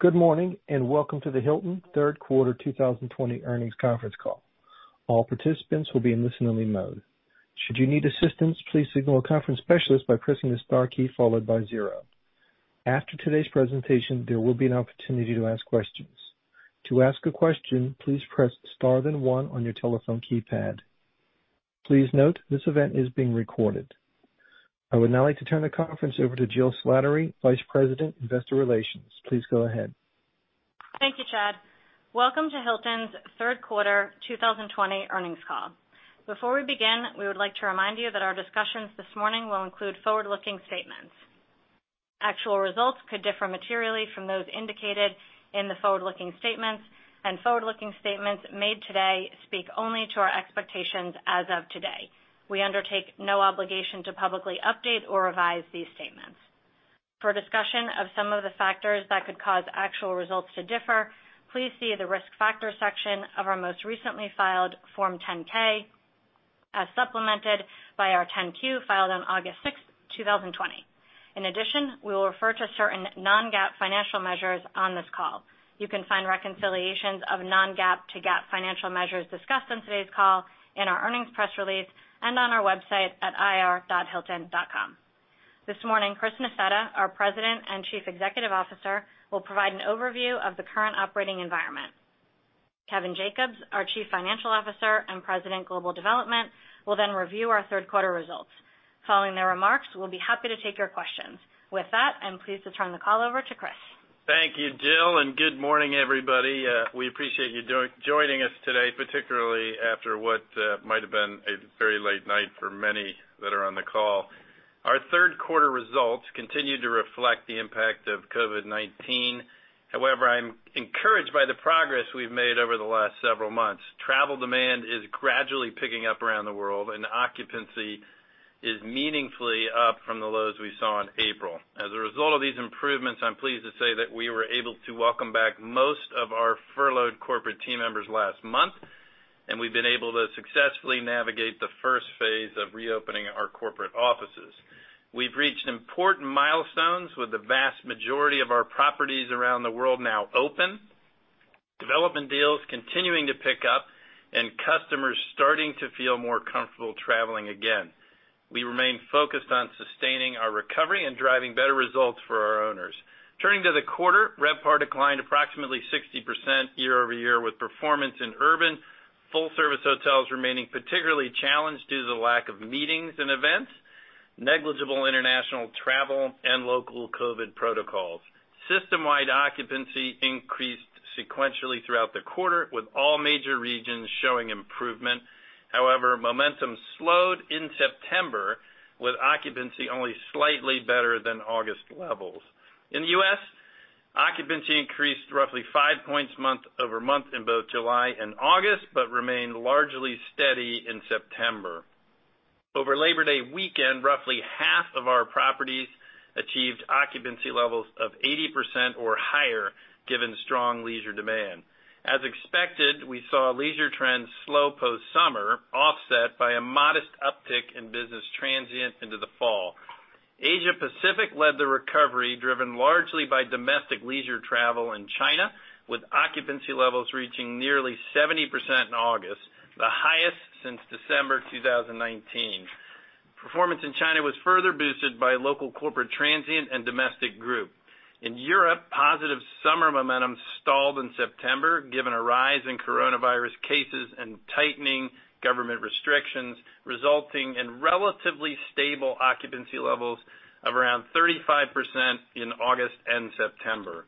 Good morning. Welcome to the Hilton third quarter 2020 earnings conference call. All participants will be in listen-only mode. Should you need assistance, please signal a conference specialist by pressing the star key followed by zero. After today's presentation, there will be an opportunity to ask questions. To ask a question, please press star, then one on your telephone keypad. Please note, this event is being recorded. I would now like to turn the conference over to Jill Slattery, Vice President, Investor Relations. Please go ahead. Thank you, Chad. Welcome to Hilton's third quarter 2020 earnings call. Before we begin, we would like to remind you that our discussions this morning will include forward-looking statements. Actual results could differ materially from those indicated in the forward-looking statements, and forward-looking statements made today speak only to our expectations as of today. We undertake no obligation to publicly update or revise these statements. For discussion of some of the factors that could cause actual results to differ, please see the Risk Factors section of our most recently filed Form 10-K, as supplemented by our 10-Q filed on August 6th, 2020. In addition, we will refer to certain non-GAAP financial measures on this call. You can find reconciliations of non-GAAP to GAAP financial measures discussed on today's call in our earnings press release and on our website at ir.hilton.com. This morning, Christopher J. Nassetta, our President and Chief Executive Officer, will provide an overview of the current operating environment. Kevin Jacobs, our Chief Financial Officer and President, Global Development, will review our third quarter results. Following their remarks, we'll be happy to take your questions. With that, I'm pleased to turn the call over to Chris. Thank you, Jill, and good morning, everybody. We appreciate you joining us today, particularly after what might've been a very late night for many that are on the call. Our third quarter results continue to reflect the impact of COVID-19. However, I'm encouraged by the progress we've made over the last several months. Travel demand is gradually picking up around the world, and occupancy is meaningfully up from the lows we saw in April. As a result of these improvements, I'm pleased to say that we were able to welcome back most of our furloughed corporate team members last month, and we've been able to successfully navigate the first phase of reopening our corporate offices. We've reached important milestones with the vast majority of our properties around the world now open, development deals continuing to pick up, and customers starting to feel more comfortable traveling again. We remain focused on sustaining our recovery and driving better results for our owners. Turning to the quarter, RevPAR declined approximately 60% year-over-year, with performance in urban, full-service hotels remaining particularly challenged due to the lack of meetings and events, negligible international travel, and local COVID-19 protocols. System-wide occupancy increased sequentially throughout the quarter, with all major regions showing improvement. However, momentum slowed in September, with occupancy only slightly better than August levels. In the U.S., occupancy increased roughly five points month-over-month in both July and August, but remained largely steady in September. Over Labor Day weekend, roughly half of our properties achieved occupancy levels of 80% or higher, given strong leisure demand. As expected, we saw leisure trends slow post-summer, offset by a modest uptick in business transient into the fall. Asia Pacific led the recovery, driven largely by domestic leisure travel in China, with occupancy levels reaching nearly 70% in August, the highest since December 2019. Performance in China was further boosted by local corporate transient and domestic group. In Europe, positive summer momentum stalled in September, given a rise in coronavirus cases and tightening government restrictions, resulting in relatively stable occupancy levels of around 35% in August and September.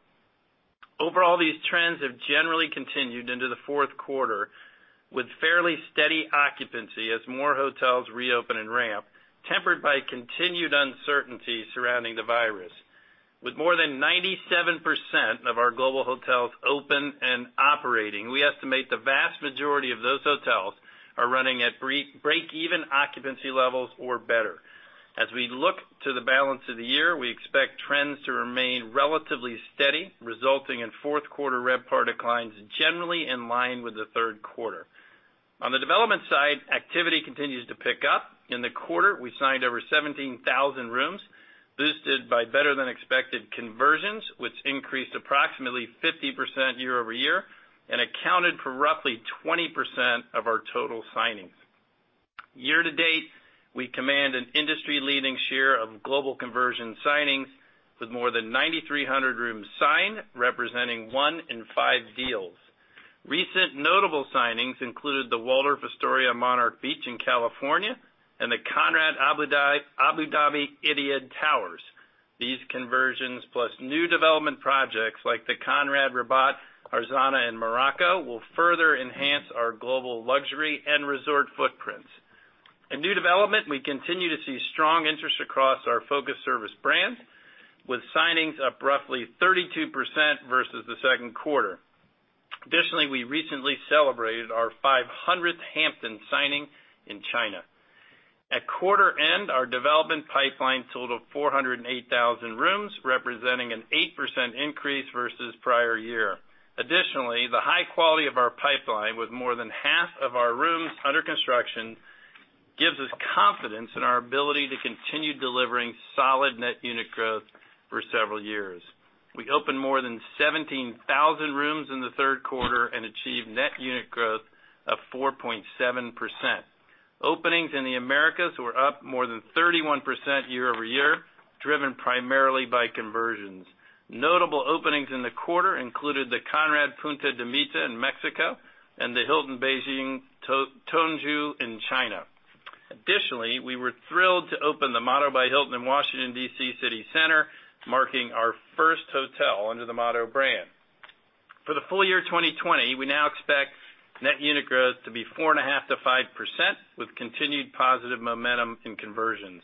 Overall, these trends have generally continued into the fourth quarter, with fairly steady occupancy as more hotels reopen and ramp, tempered by continued uncertainty surrounding the virus. With more than 97% of our global hotels open and operating, we estimate the vast majority of those hotels are running at break-even occupancy levels or better. As we look to the balance of the year, we expect trends to remain relatively steady, resulting in fourth quarter RevPAR declines generally in line with the third quarter. On the development side, activity continues to pick up. In the quarter, we signed over 17,000 rooms, boosted by better-than-expected conversions, which increased approximately 50% year-over-year and accounted for roughly 20% of our total signings. Year to date, we command an industry-leading share of global conversion signings, with more than 9,300 rooms signed, representing one in five deals. Recent notable signings included the Waldorf Astoria Monarch Beach in California and the Conrad Abu Dhabi Etihad Towers. These conversions, plus new development projects like the Conrad Rabat Arzana in Morocco, will further enhance our global luxury and resort footprints. In new development, we continue to see strong interest across our focused service brands, with signings up roughly 32% versus the second quarter. We recently celebrated our 500th Hampton signing in China. At quarter end, our development pipeline totaled 408,000 rooms, representing an 8% increase versus prior year. The high quality of our pipeline, with more than half of our rooms under construction gives us confidence in our ability to continue delivering solid net unit growth for several years. We opened more than 17,000 rooms in the third quarter and achieved net unit growth of 4.7%. Openings in the Americas were up more than 31% year-over-year, driven primarily by conversions. Notable openings in the quarter included the Conrad Punta de Mita in Mexico and the Hilton Beijing Tongzhou in China. Additionally, we were thrilled to open the Motto by Hilton in Washington, D.C. City Center, marking our first hotel under the Motto brand. For the full year 2020, we now expect net unit growth to be 4.5%-5%, with continued positive momentum in conversions.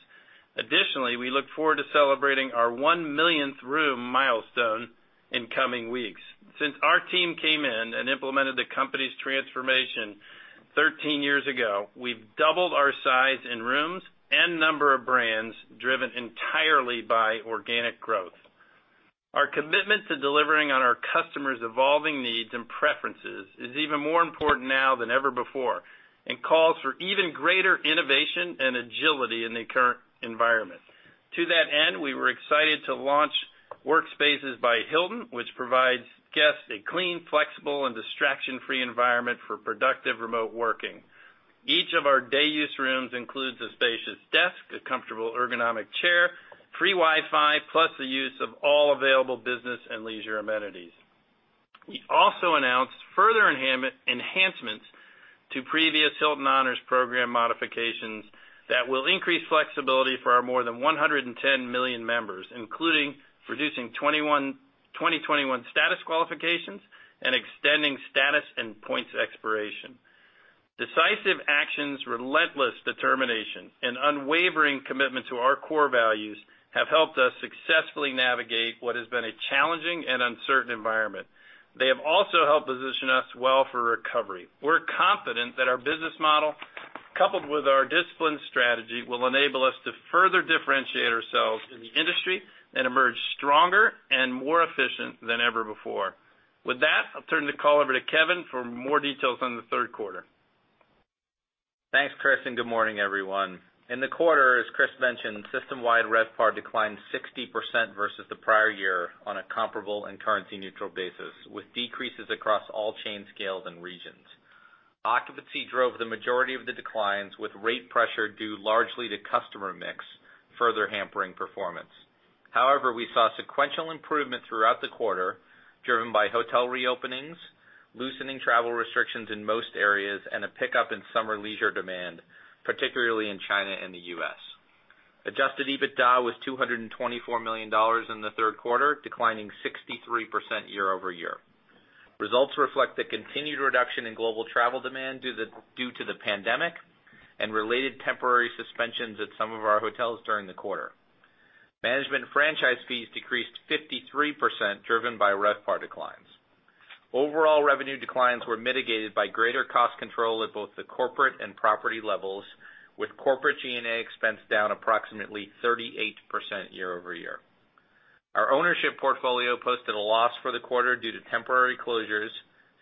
Additionally, we look forward to celebrating our one millionth room milestone in coming weeks. Since our team came in and implemented the company's transformation 13 years ago, we've doubled our size in rooms and number of brands, driven entirely by organic growth. Our commitment to delivering on our customers' evolving needs and preferences is even more important now than ever before, calls for even greater innovation and agility in the current environment. To that end, we were excited to launch WorkSpaces by Hilton, which provides guests a clean, flexible, and distraction-free environment for productive remote working. Each of our day use rooms includes a spacious desk, a comfortable ergonomic chair, free Wi-Fi, plus the use of all available business and leisure amenities. We also announced further enhancements to previous Hilton Honors program modifications that will increase flexibility for our more than 110 million members, including reducing 2021 status qualifications and extending status and points expiration. Decisive actions, relentless determination, and unwavering commitment to our core values have helped us successfully navigate what has been a challenging and uncertain environment. They have also helped position us well for recovery. We're confident that our business model, coupled with our disciplined strategy, will enable us to further differentiate ourselves in the industry and emerge stronger and more efficient than ever before. With that, I'll turn the call over to Kevin for more details on the third quarter. Thanks, Chris. Good morning, everyone. In the quarter, as Chris mentioned, system-wide RevPAR declined 60% versus the prior year on a comparable and currency-neutral basis, with decreases across all chain scales and regions. Occupancy drove the majority of the declines, with rate pressure due largely to customer mix, further hampering performance. We saw sequential improvement throughout the quarter, driven by hotel reopenings, loosening travel restrictions in most areas, and a pickup in summer leisure demand, particularly in China and the U.S. Adjusted EBITDA was $224 million in the third quarter, declining 63% year-over-year. Results reflect the continued reduction in global travel demand due to the pandemic and related temporary suspensions at some of our hotels during the quarter. Management franchise fees decreased 53%, driven by RevPAR declines. Overall revenue declines were mitigated by greater cost control at both the corporate and property levels, with corporate G&A expense down approximately 38% year-over-year. Our ownership portfolio posted a loss for the quarter due to temporary closures,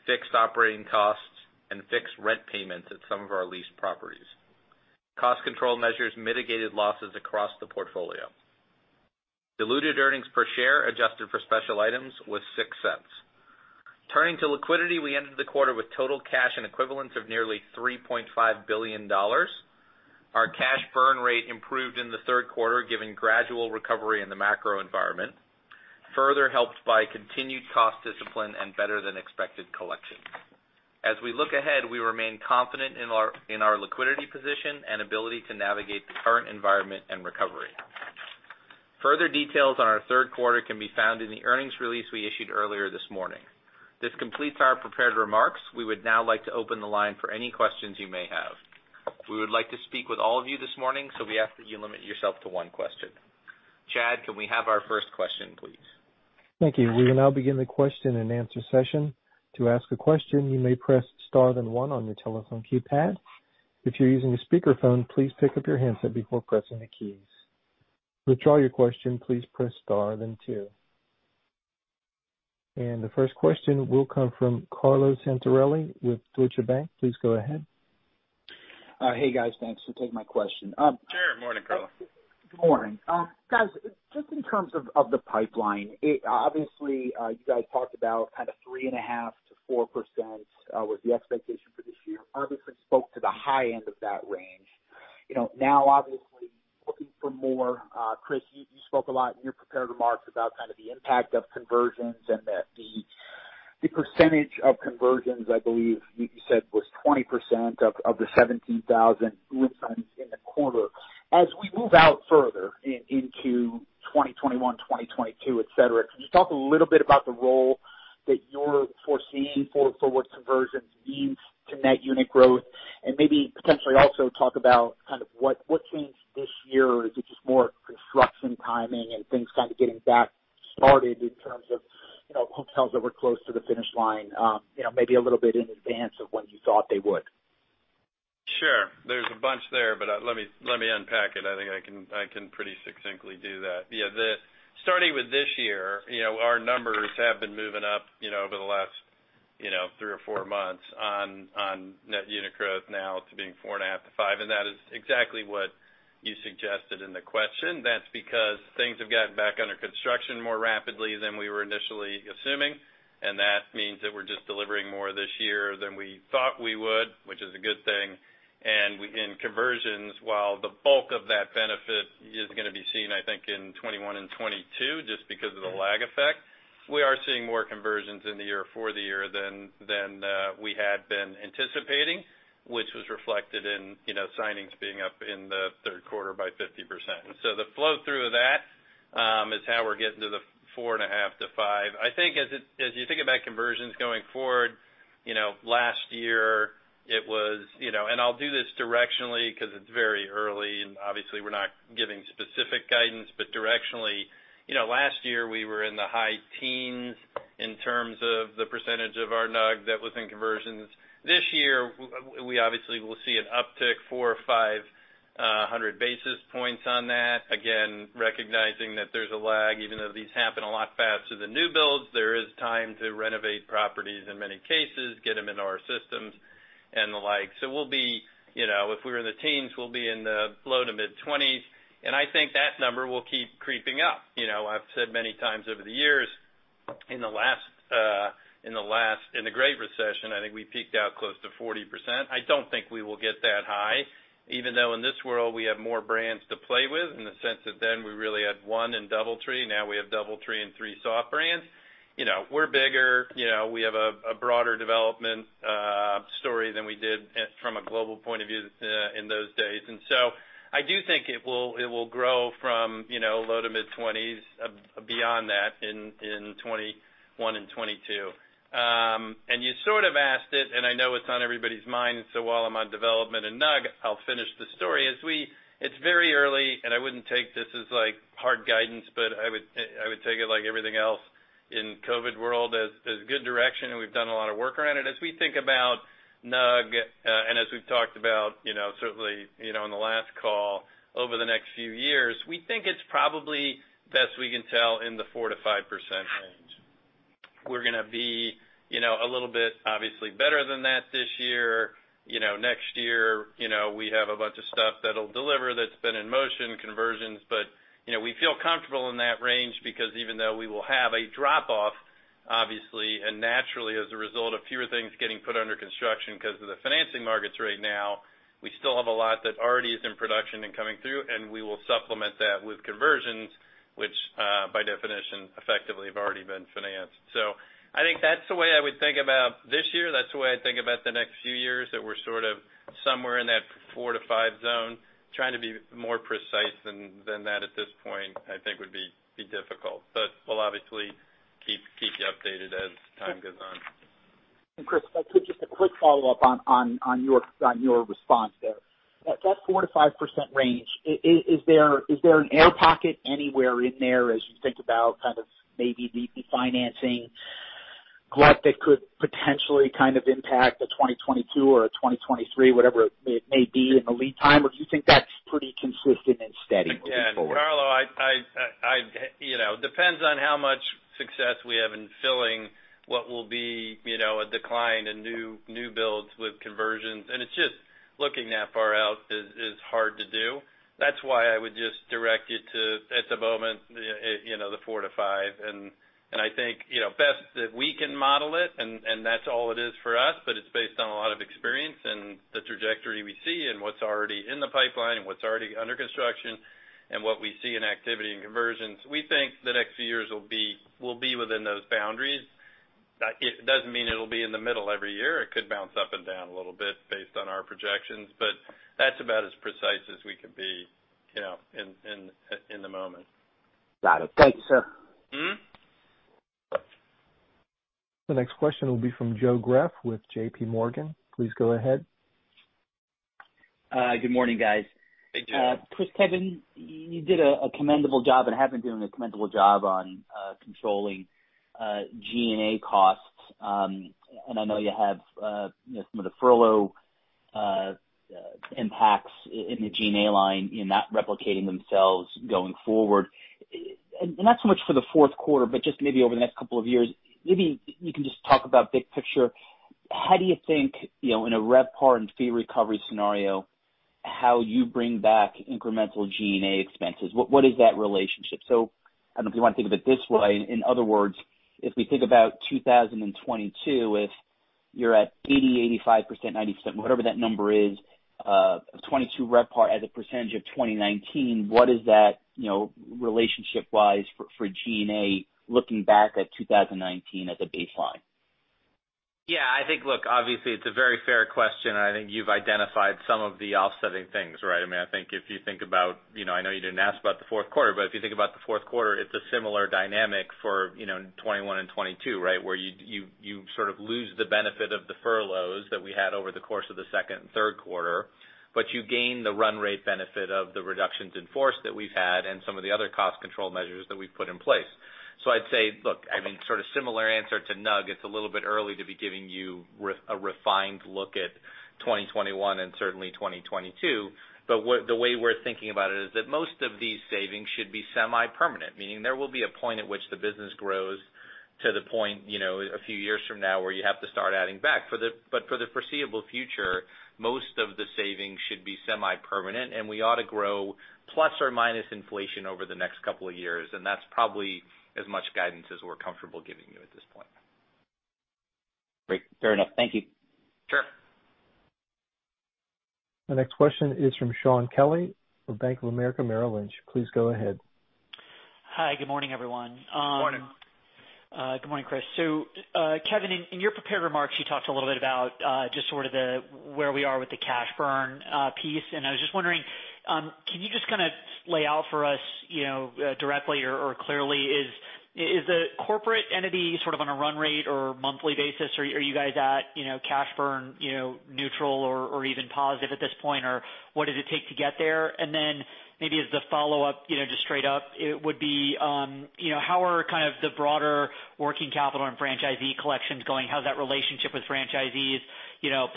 fixed operating costs, and fixed rent payments at some of our leased properties. Cost control measures mitigated losses across the portfolio. Diluted earnings per share adjusted for special items was $0.06. Turning to liquidity, we ended the quarter with total cash and equivalents of nearly $3.5 billion. Our cash burn rate improved in the third quarter, given gradual recovery in the macro environment, further helped by continued cost discipline and better than expected collections. As we look ahead, we remain confident in our liquidity position and ability to navigate the current environment and recovery. Further details on our third quarter can be found in the earnings release we issued earlier this morning. This completes our prepared remarks. We would now like to open the line for any questions you may have. We would like to speak with all of you this morning, so we ask that you limit yourself to one question. Chad, can we have our first question, please? Thank you. We will now begin the question and answer session. To ask a question, you may press star then one on your telephone keypad. If you're using a speakerphone, please pick up your handset before pressing the keys. To withdraw your question, please press star then two. The first question will come from Carlo Santarelli with Deutsche Bank. Please go ahead. Hey, guys. Thanks. You'll take my question. Sure. Morning, Carlo. Good morning. Guys, just in terms of the pipeline, obviously, you guys talked about 3.5%-4% was the expectation for this year. Kevin spoke to the high end of that range. Now, obviously, looking for more, Chris, you spoke a lot in your prepared remarks about the impact of conversions and that the percentage of conversions, I believe you said, was 20% of the 17,000 room signs in the quarter. As we move out further into 2021, 2022, et cetera, can you talk a little bit about the role that you're foreseeing for what conversions mean to net unit growth, and maybe potentially also talk about what changed this year, or is it just more construction timing and things kind of getting back started in terms of hotels that were close to the finish line maybe a little bit in advance of when you thought they would? Sure. There's a bunch there, but let me unpack it. I think I can pretty succinctly do that. Yeah. Starting with this year, our numbers have been moving up over the last Three or four months on net unit growth now to being 4.5%-5%. That is exactly what you suggested in the question. That's because things have gotten back under construction more rapidly than we were initially assuming. That means that we're just delivering more this year than we thought we would, which is a good thing. In conversions, while the bulk of that benefit is going to be seen, I think, in 2021 and 2022, just because of the lag effect. We are seeing more conversions in the year for the year than we had been anticipating, which was reflected in signings being up in the third quarter by 50%. The flow-through of that is how we're getting to the 4.5%-5%. I think as you think about conversions going forward, I'll do this directionally because it's very early, and obviously, we're not giving specific guidance. Directionally, last year we were in the high teens in terms of the percentage of our NUG that was in conversions. This year, we obviously will see an uptick four or 500 basis points on that. Again, recognizing that there's a lag, even though these happen a lot faster than new builds, there is time to renovate properties in many cases, get them into our systems, and the like. If we were in the teens, we'll be in the low to mid-20%s, and I think that number will keep creeping up. I've said many times over the years, in the Great Recession, I think we peaked out close to 40%. I don't think we will get that high, even though in this world we have more brands to play with in the sense that then we really had one in DoubleTree, now we have DoubleTree and three soft brands. We're bigger. We have a broader development story than we did from a global point of view in those days. I do think it will grow from low to mid-20%s beyond that in 2021 and 2022. You sort of asked it, and I know it's on everybody's mind, so while I'm on development and NUG, I'll finish the story. It's very early, and I wouldn't take this as hard guidance, but I would take it like everything else in COVID world as good direction, and we've done a lot of work around it. As we think about NUG, and as we've talked about certainly, in the last call, over the next few years, we think it's probably, best we can tell, in the 4%-5% range. We're going to be a little bit, obviously, better than that this year. Next year, we have a bunch of stuff that'll deliver that's been in motion, conversions. We feel comfortable in that range because even though we will have a drop-off, obviously, and naturally, as a result of fewer things getting put under construction because of the financing markets right now, we still have a lot that already is in production and coming through, and we will supplement that with conversions, which, by definition, effectively have already been financed. I think that's the way I would think about this year. That's the way I think about the next few years, that we're sort of somewhere in that four to five zone. Trying to be more precise than that at this point, I think would be difficult. We'll obviously keep you updated as time goes on. Chris, if I could, just a quick follow-up on your response there. That 4%-5% range, is there an air pocket anywhere in there as you think about kind of maybe refinancing glut that could potentially kind of impact a 2022 or a 2023, whatever it may be in the lead time? Do you think that's pretty consistent and steady looking forward? Carlo, depends on how much success we have in filling what will be a decline in new builds with conversions, and it's just looking that far out is hard to do. That's why I would just direct you to, at the moment, the 4%-5%. I think, best that we can model it, and that's all it is for us, but it's based on a lot of experience and the trajectory we see and what's already in the pipeline and what's already under construction and what we see in activity and conversions. We think the next few years will be within those boundaries. It doesn't mean it'll be in the middle every year. It could bounce up and down a little bit based on our projections, but that's about as precise as we could be in the moment. Got it. Thanks, sir. The next question will be from Joe Greff with JPMorgan. Please go ahead. Good morning, guys. Hey, Joe. Chris, Kevin, you did a commendable job and have been doing a commendable job on controlling G&A costs. I know you have some of the furlough impacts in the G&A line in that replicating themselves going forward. Not so much for the fourth quarter, but just maybe over the next couple of years, maybe you can just talk about big picture. How do you think, in a RevPAR and fee recovery scenario, how you bring back incremental G&A expenses? What is that relationship? I don't know if you want to think of it this way. In other words, if we think about 2022, if you're at 80%, 85%, 90%, whatever that number is, of 2022 RevPAR as a percentage of 2019, what is that relationship-wise for G&A looking back at 2019 as a baseline? Yeah, I think, look, obviously, it's a very fair question, and I think you've identified some of the offsetting things, right? I think if you think about, I know you didn't ask about the fourth quarter, but if you think about the fourth quarter, it's a similar dynamic for 2021 and 2022, right? Where you sort of lose the benefit of the furloughs that we had over the course of the second and third quarter, but you gain the run rate benefit of the reductions in force that we've had and some of the other cost control measures that we've put in place. I'd say, look, I mean, sort of similar answer to NUG. It's a little bit early to be giving you a refined look at 2021 and certainly 2022. The way we're thinking about it is that most of these savings should be semi-permanent, meaning there will be a point at which the business grows to the point, a few years from now, where you have to start adding back. For the foreseeable future, most of the savings should be semi-permanent, and we ought to grow plus or minus inflation over the next couple of years, and that's probably as much guidance as we're comfortable giving you at this point. Great. Fair enough. Thank you. Sure. The next question is from Shaun Kelley from Bank of America Merrill Lynch. Please go ahead. Hi. Good morning, everyone. Good morning. Good morning, Chris. Kevin, in your prepared remarks, you talked a little bit about just sort of where we are with the cash burn piece, and I was just wondering, can you just lay out for us directly or clearly, is the corporate entity sort of on a run rate or monthly basis? Are you guys at cash burn neutral or even positive at this point, or what does it take to get there? Then maybe as the follow-up, just straight up, it would be, how are kind of the broader working capital and franchisee collections going? How's that relationship with franchisees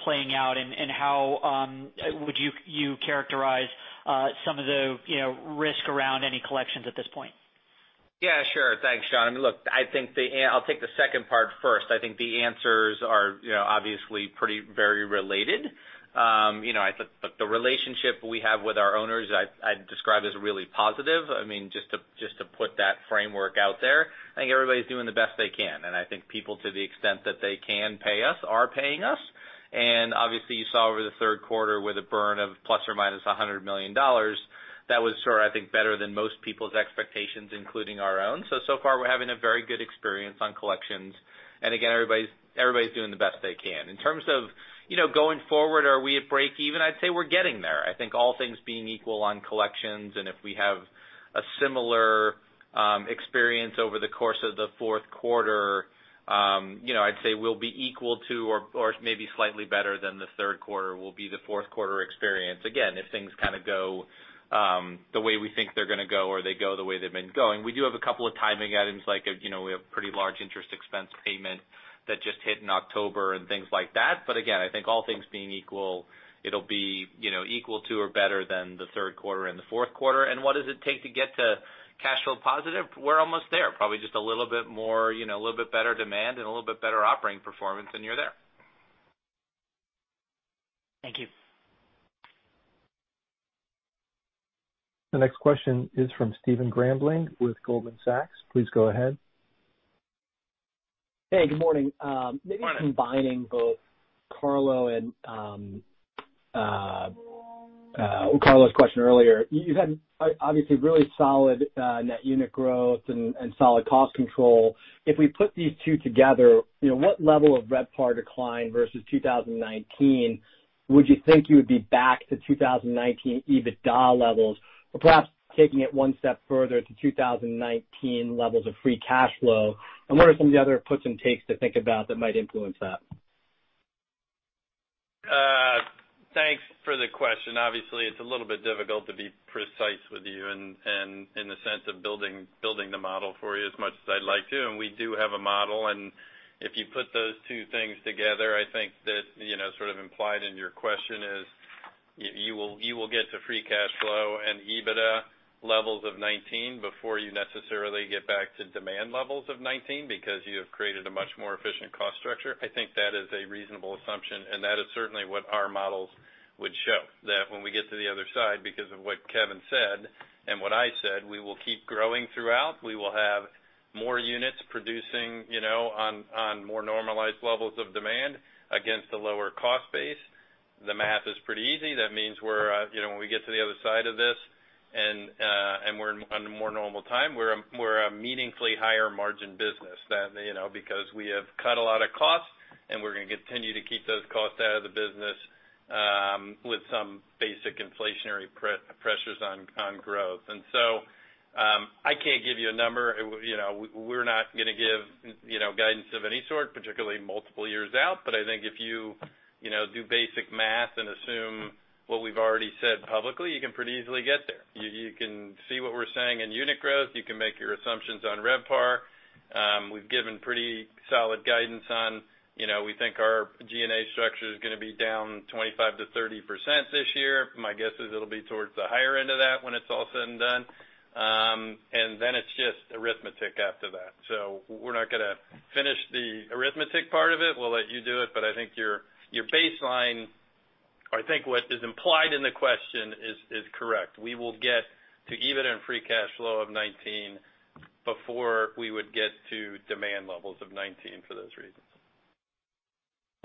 playing out, and how would you characterize some of the risk around any collections at this point? Yeah, sure. Thanks, Shaun. I mean, look, I'll take the second part first. I think the answers are obviously very related. The relationship we have with our owners I'd describe as really positive. I mean, just to put that framework out there. I think everybody's doing the best they can, and I think people to the extent that they can pay us, are paying us. Obviously you saw over the third quarter with a burn of ±$100 million, that was sort of, I think, better than most people's expectations, including our own. So far we're having a very good experience on collections. Again, everybody's doing the best they can. In terms of going forward, are we at break even? I'd say we're getting there. I think all things being equal on collections, and if we have a similar experience over the course of the fourth quarter, I'd say we'll be equal to or maybe slightly better than the third quarter will be the fourth quarter experience. Again, if things kind of go the way we think they're going to go or they go the way they've been going. We do have a couple of timing items, like we have pretty large interest expense payment that just hit in October and things like that. Again, I think all things being equal, it'll be equal to or better than the third quarter and the fourth quarter. What does it take to get to cash flow positive? We're almost there, probably just a little bit better demand and a little bit better operating performance, and you're there. Thank you. The next question is from Stephen Grambling with Goldman Sachs. Please go ahead. Hey, good morning. Good morning. Maybe combining both Carlo and Carlo's question earlier. You've had, obviously, really solid net unit growth and solid cost control. We put these two together, what level of RevPAR decline versus 2019 would you think you would be back to 2019 EBITDA levels or perhaps taking it one step further to 2019 levels of free cash flow? What are some of the other puts and takes to think about that might influence that? Thanks for the question. Obviously, it's a little bit difficult to be precise with you and in the sense of building the model for you as much as I'd like to. We do have a model, and if you put those two things together, I think that sort of implied in your question is you will get to free cash flow and EBITDA levels of 2019 before you necessarily get back to demand levels of 2019 because you have created a much more efficient cost structure. I think that is a reasonable assumption, and that is certainly what our models would show. When we get to the other side, because of what Kevin said and what I said, we will keep growing throughout. We will have more units producing on more normalized levels of demand against a lower cost base. The math is pretty easy. That means when we get to the other side of this and we're on more normal time, we're a meaningfully higher margin business because we have cut a lot of costs, and we're going to continue to keep those costs out of the business with some basic inflationary pressures on growth. I can't give you a number. We're not going to give guidance of any sort, particularly multiple years out. I think if you do basic math and assume what we've already said publicly, you can pretty easily get there. You can see what we're saying in unit growth. You can make your assumptions on RevPAR. We've given pretty solid guidance on we think our G&A structure is going to be down 25%-30% this year. My guess is it'll be towards the higher end of that when it's all said and done. It's just arithmetic after that. We're not going to finish the arithmetic part of it. We'll let you do it, but I think your baseline, or I think what is implied in the question is correct. We will get to EBIT and free cash flow of 2019 before we would get to demand levels of 2019 for those reasons.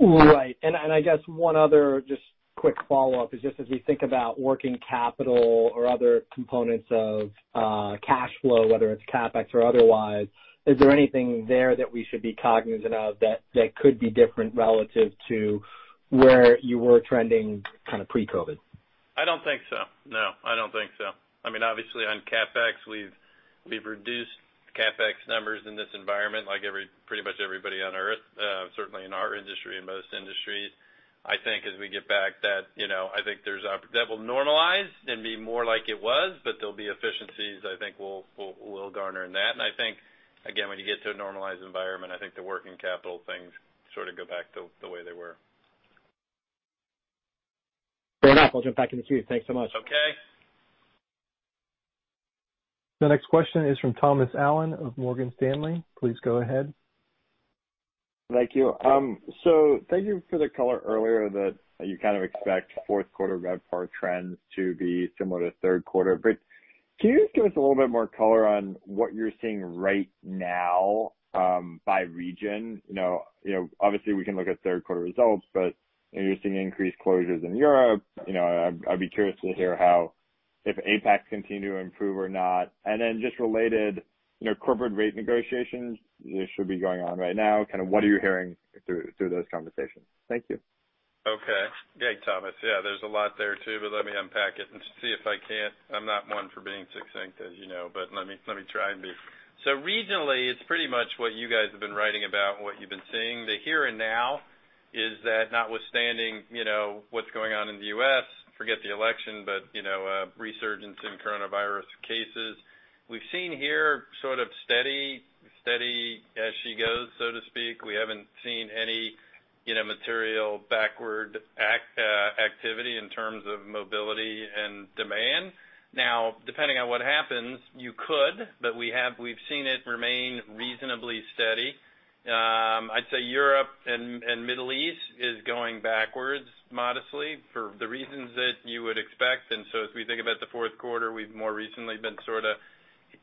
Right. I guess one other just quick follow-up is just as we think about working capital or other components of cash flow, whether it's CapEx or otherwise, is there anything there that we should be cognizant of that could be different relative to where you were trending kind of pre-COVID? I don't think so. No, I don't think so. I mean, obviously on CapEx, we've reduced CapEx numbers in this environment, like pretty much everybody on Earth, certainly in our industry and most. I think as we get back, that will normalize and be more like it was, but there'll be efficiencies I think we'll garner in that. I think, again, when you get to a normalized environment, I think the working capital things sort of go back to the way they were. Fair enough. I'll jump back in the queue. Thanks so much. Okay. The next question is from Thomas Allen of Morgan Stanley. Please go ahead. Thank you. Thank you for the color earlier that you kind of expect fourth quarter RevPAR trends to be similar to third quarter. Can you just give us a little bit more color on what you're seeing right now by region? Obviously, we can look at third quarter results, but you're seeing increased closures in Europe. I'd be curious to hear if APAC continue to improve or not. Then just related, corporate rate negotiations should be going on right now. Kind of what are you hearing through those conversations? Thank you. Okay. Yeah, Thomas, there's a lot there too, but let me unpack it and see if I can. I'm not one for being succinct, as you know, but let me try and be. Regionally, it's pretty much what you guys have been writing about and what you've been seeing. The here and now is that notwithstanding what's going on in the U.S., forget the election, but resurgence in coronavirus cases. We've seen here sort of steady as she goes, so to speak. We haven't seen any material backward activity in terms of mobility and demand. Now, depending on what happens, you could, but we've seen it remain reasonably steady. I'd say Europe and Middle East is going backwards modestly for the reasons that you would expect. As we think about the fourth quarter, we've more recently been sort of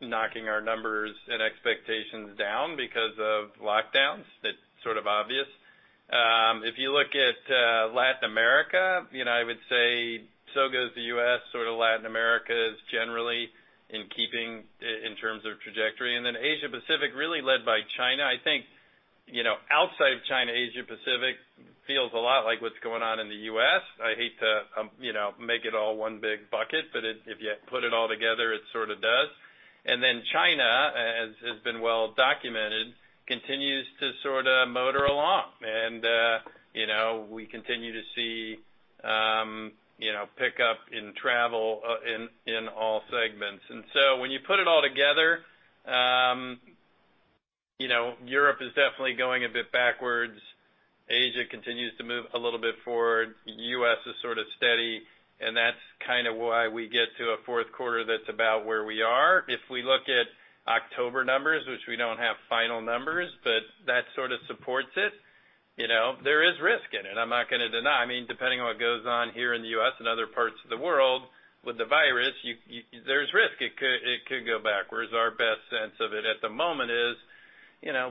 knocking our numbers and expectations down because of lockdowns. That's sort of obvious. If you look at Latin America, I would say so goes the U.S., sort of Latin America is generally in keeping in terms of trajectory. Asia Pacific really led by China. I think outside of China, Asia Pacific feels a lot like what's going on in the U.S. I hate to make it all one big bucket, but if you put it all together, it sort of does. China, as has been well documented, continues to sort of motor along, and we continue to see pickup in travel in all segments. When you put it all together, Europe is definitely going a bit backwards. Asia continues to move a little bit forward. U.S. is sort of steady, and that's kind of why we get to a fourth quarter that's about where we are. If we look at October numbers, which we don't have final numbers, but that sort of supports it. There is risk in it. I'm not going to deny. Depending on what goes on here in the U.S. and other parts of the world with the virus, there's risk. It could go backwards. Our best sense of it at the moment is,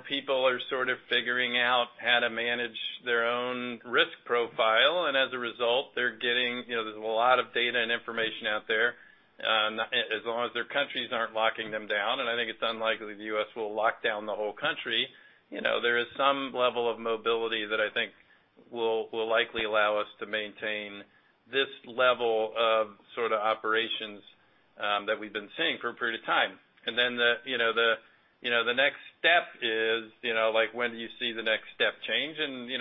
people are sort of figuring out how to manage their own risk profile, and as a result, there's a lot of data and information out there. As long as their countries aren't locking them down, I think it's unlikely the U.S. will lock down the whole country, there is some level of mobility that I think will likely allow us to maintain this level of operations that we've been seeing for a period of time. The next step is, when do you see the next step change?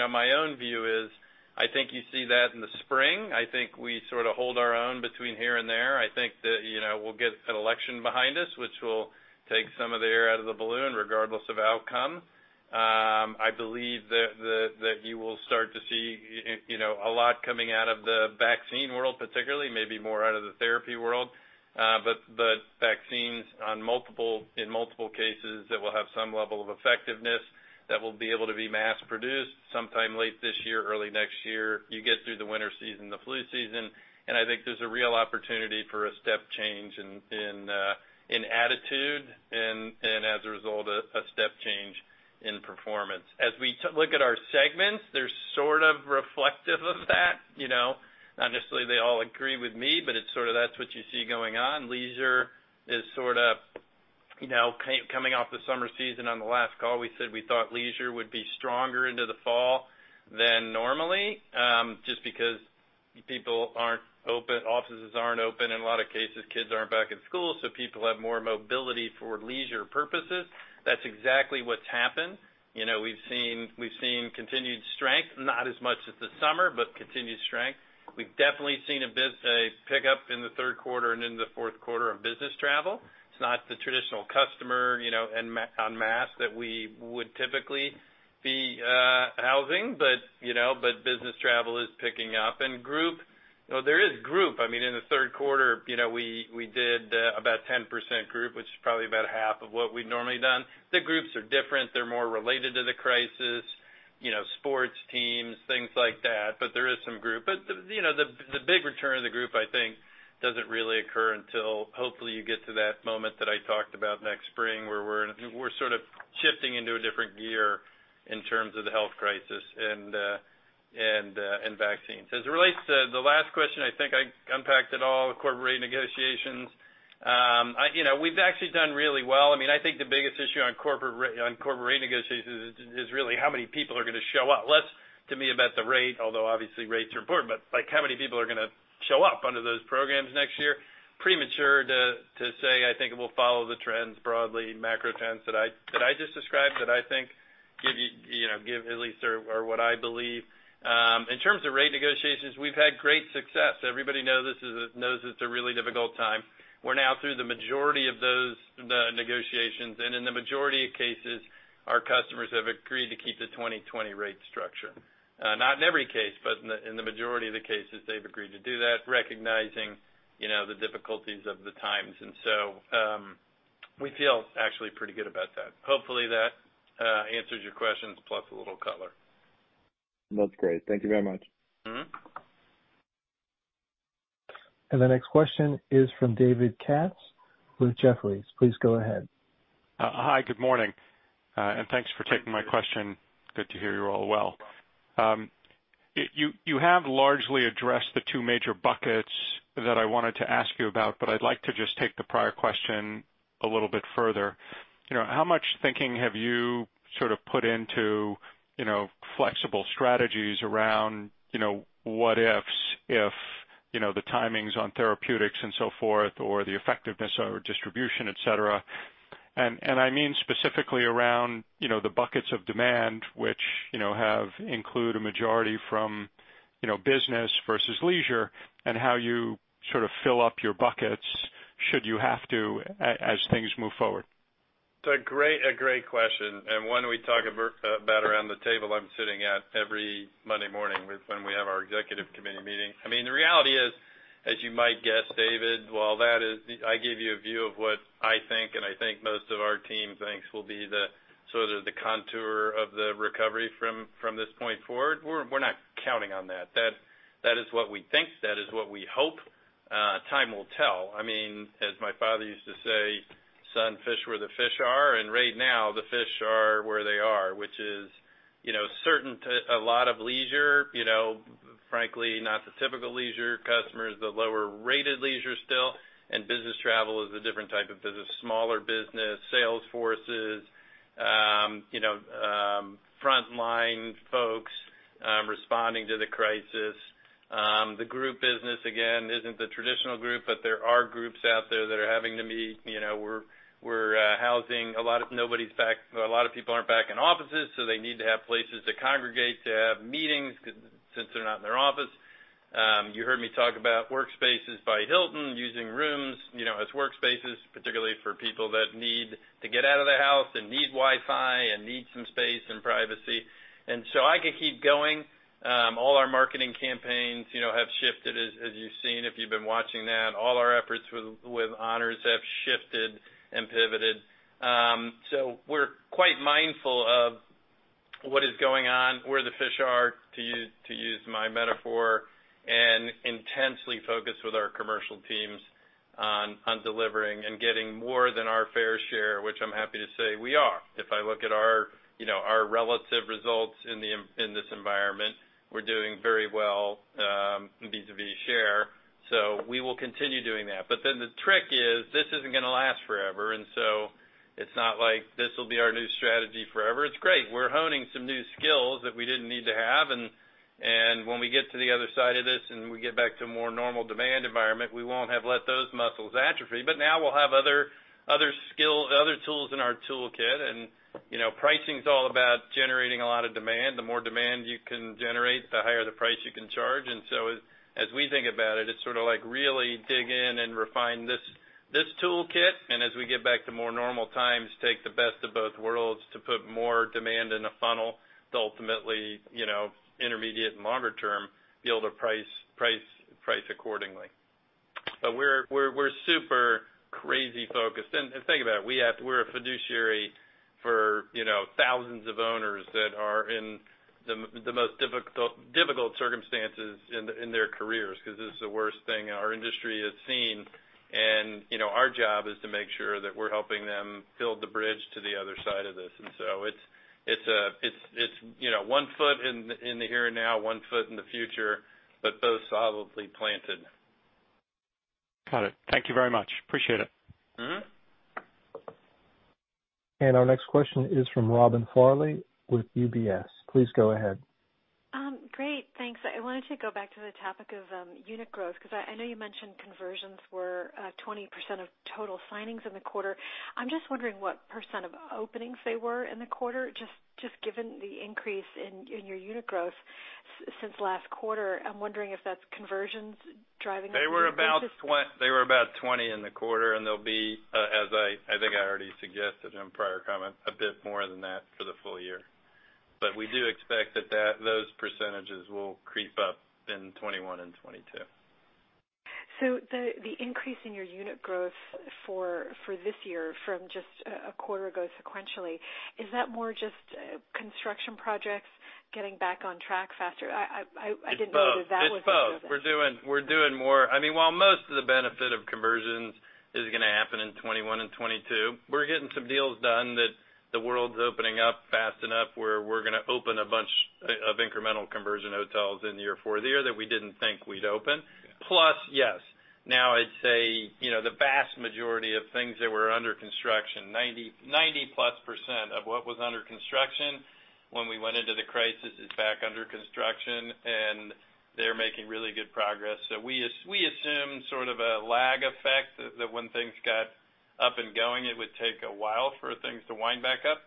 My own view is, I think you see that in the spring. I think we sort of hold our own between here and there. I think that we'll get an election behind us, which will take some of the air out of the balloon regardless of outcome. I believe that you will start to see a lot coming out of the vaccine world, particularly maybe more out of the therapy world. Vaccines in multiple cases that will have some level of effectiveness, that will be able to be mass-produced sometime late this year, early next year. You get through the winter season, the flu season. I think there's a real opportunity for a step change in attitude, and as a result, a step change in performance. As we look at our segments, they're sort of reflective of that. Not necessarily they all agree with me. It's sort of that's what you see going on. Leisure is sort of coming off the summer season. On the last call, we said we thought leisure would be stronger into the fall than normally, just because offices aren't open. In a lot of cases, kids aren't back in school. People have more mobility for leisure purposes. That's exactly what's happened. We've seen continued strength, not as much as the summer, but continued strength. We've definitely seen a pickup in the third quarter and into the fourth quarter of business travel. It's not the traditional customer en masse that we would typically be housing, but business travel is picking up. Group, there is group. In the third quarter, we did about 10% group, which is probably about half of what we'd normally done. The groups are different. They're more related to the crisis, sports teams, things like that, but there is some group. The big return of the group, I think, doesn't really occur until hopefully you get to that moment that I talked about next spring, where we're sort of shifting into a different gear in terms of the health crisis and vaccines. As it relates to the last question, I think I unpacked it all, the corporate rate negotiations. We've actually done really well. I think the biggest issue on corporate rate negotiations is really how many people are going to show up. Less to me about the rate, although obviously rates are important, but how many people are going to show up under those programs next year? Premature to say, I think it will follow the trends broadly, macro trends that I just described, that I think give at least or what I believe. In terms of rate negotiations, we've had great success. Everybody knows it's a really difficult time. We're now through the majority of those negotiations, and in the majority of cases, our customers have agreed to keep the 2020 rate structure. Not in every case, but in the majority of the cases, they've agreed to do that, recognizing the difficulties of the times. We feel actually pretty good about that. Hopefully, that answers your questions, plus a little color. That's great. Thank you very much. The next question is from David Katz with Jefferies. Please go ahead. Hi, good morning. Thanks for taking my question. Good to hear you're all well. You have largely addressed the two major buckets that I wanted to ask you about. I'd like to just take the prior question a little bit further. How much thinking have you put into flexible strategies around what ifs, if the timings on therapeutics and so forth, or the effectiveness or distribution, et cetera? I mean, specifically around the buckets of demand, which have include a majority from business versus leisure, and how you fill up your buckets should you have to, as things move forward. It's a great question, and one we talk about around the table I'm sitting at every Monday morning when we have our executive committee meeting. The reality is, as you might guess, David, while that is, I gave you a view of what I think, and I think most of our team thinks will be the sort of the contour of the recovery from this point forward. We're not counting on that. That is what we think. That is what we hope. Time will tell. As my father used to say, "Son, fish where the fish are." Right now, the fish are where they are, which is certain to a lot of leisure, frankly, not the typical leisure customers, the lower-rated leisure still, and business travel is a different type of business, smaller business, sales forces, frontline folks responding to the crisis. The group business, again, isn't the traditional group, but there are groups out there that are having to meet. We're housing a lot of people aren't back in offices. They need to have places to congregate, to have meetings since they're not in their office. You heard me talk about WorkSpaces by Hilton, using rooms as workspaces, particularly for people that need to get out of the house and need Wi-Fi and need some space and privacy. I could keep going. All our marketing campaigns have shifted, as you've seen, if you've been watching that. All our efforts with owners have shifted and pivoted. We're quite mindful of what is going on, where the fish are, to use my metaphor, and intensely focused with our commercial teams on delivering and getting more than our fair share, which I'm happy to say we are. If I look at our relative results in this environment, we're doing very well vis-a-vis share. We will continue doing that. The trick is, this isn't going to last forever, and so it's not like this will be our new strategy forever. It's great. We're honing some new skills that we didn't need to have, and when we get to the other side of this, and we get back to a more normal demand environment, we won't have let those muscles atrophy. Now we'll have other tools in our toolkit. Pricing's all about generating a lot of demand. The more demand you can generate, the higher the price you can charge. As we think about it's sort of like really dig in and refine this toolkit. As we get back to more normal times, take the best of both worlds to put more demand in the funnel to ultimately, intermediate and longer term, be able to price accordingly. We're super crazy focused. Think about it. We're a fiduciary for thousands of owners that are in the most difficult circumstances in their careers because this is the worst thing our industry has seen. Our job is to make sure that we're helping them build the bridge to the other side of this. It's one foot in the here and now, one foot in the future, but both solidly planted. Got it. Thank you very much. Appreciate it. Our next question is from Robin Farley with UBS. Please go ahead. Great. Thanks. I wanted to go back to the topic of unit growth, because I know you mentioned conversions were 20% of total signings in the quarter. I'm just wondering what percent of openings they were in the quarter. Given the increase in your unit growth since last quarter, I'm wondering if that's conversions driving that. They were about 20% in the quarter. They'll be, as I think I already suggested in a prior comment, a bit more than that for the full year. We do expect that those percentages will creep up in 2021 and 2022. The increase in your unit growth for this year from just a quarter ago, sequentially, is that more just construction projects getting back on track faster? I didn't know if that was the business. It's both. We're doing more. While most of the benefit of conversions is going to happen in 2021 and 2022, we're getting some deals done that the world's opening up fast enough where we're going to open a bunch of incremental conversion hotels in the year, for the year that we didn't think we'd open. Yes. I'd say, the vast majority of things that were under construction, 90%+ of what was under construction when we went into the crisis, it's back under construction, and they're making really good progress. We assume sort of a lag effect that when things got up and going, it would take a while for things to wind back up.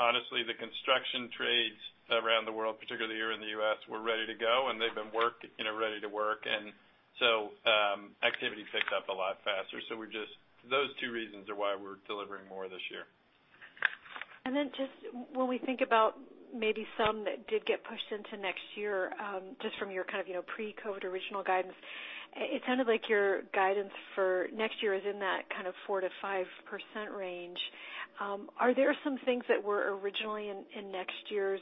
Honestly, the construction trades around the world, particularly here in the U.S., were ready to go, and they've been ready to work. Activity picked up a lot faster. Those two reasons are why we're delivering more this year. Just when we think about maybe some that did get pushed into next year, just from your pre-COVID original guidance, it sounded like your guidance for next year is in that 4%-5% range. Are there some things that were originally in next year's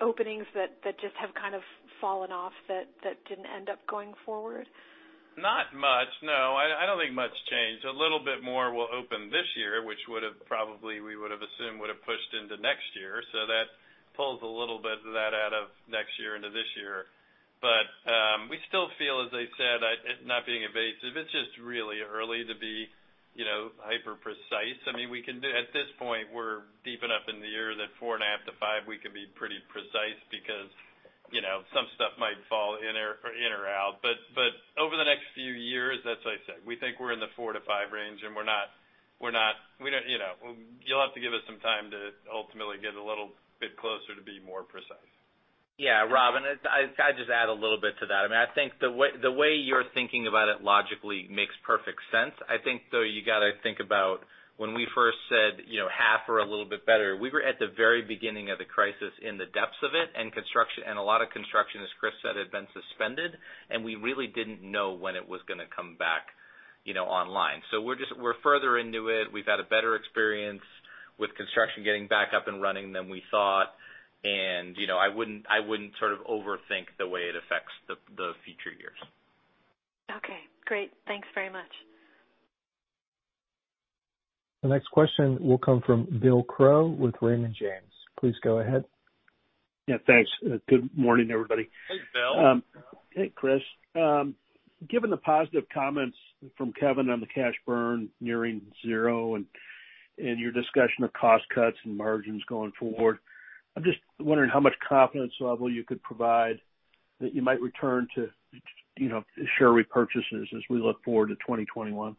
openings that just have kind of fallen off that didn't end up going forward? Not much, no. I don't think much changed. A little bit more will open this year, which would've probably, we would've assumed, would've pushed into next year. That pulls a little bit of that out of next year into this year. We still feel, as I said, not being evasive, it's just really early to be hyper-precise. At this point, we're deep enough in the year that four and a half to five, we can be pretty precise because some stuff might fall in or out. Over the next few years, that's why I said, we think we're in the four to five range, and you'll have to give us some time to ultimately get a little bit closer to be more precise. Yeah. Robin, can I just add a little bit to that? I think the way you're thinking about it logically makes perfect sense. I think, though, you got to think about when we first said half or a little bit better, we were at the very beginning of the crisis in the depths of it, and a lot of construction, as Chris said, had been suspended, and we really didn't know when it was going to come back online. We're further into it. We've had a better experience with construction getting back up and running than we thought, and I wouldn't overthink the way it affects the future years. Okay, great. Thanks very much. The next question will come from William Crow with Raymond James. Please go ahead. Yeah, thanks. Good morning, everybody. Hey, William. Hey, Chris. Given the positive comments from Kevin on the cash burn nearing zero and your discussion of cost cuts and margins going forward, I'm just wondering how much confidence level you could provide that you might return to share repurchases as we look forward to 2021?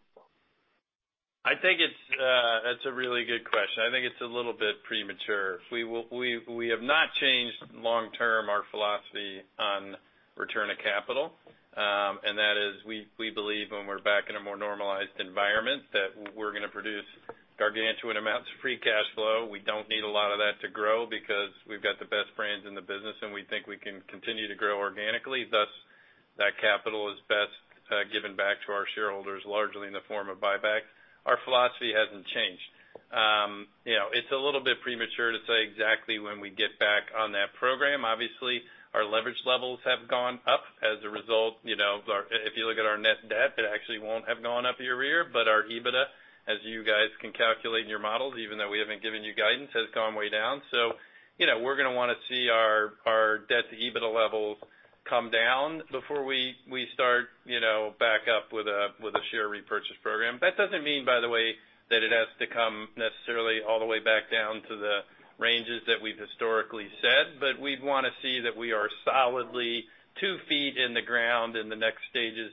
That's a really good question. I think it's a little bit premature. We have not changed long term our philosophy on return of capital. That is, we believe when we're back in a more normalized environment, that we're going to produce gargantuan amounts of free cash flow. We don't need a lot of that to grow because we've got the best brands in the business, and we think we can continue to grow organically. That capital is best given back to our shareholders largely in the form of buyback. Our philosophy hasn't changed. It's a little bit premature to say exactly when we get back on that program. Obviously, our leverage levels have gone up as a result. If you look at our net debt, it actually won't have gone up year-to-year, but our EBITDA, as you guys can calculate in your models, even though we haven't given you guidance, has gone way down. We're going to want to see our debt to EBITDA levels come down before we start back up with a share repurchase program. That doesn't mean, by the way, that it has to come necessarily all the way back down to the ranges that we've historically set. We'd want to see that we are solidly two feet in the ground in the next stages